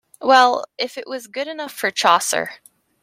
Well, if it was good enough for Chaucer.